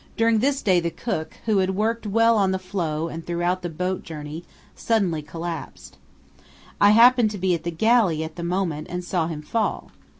During this day the cook, who had worked well on the floe and throughout the boat journey, suddenly collapsed. I happened to be at the galley at the moment and saw him fall.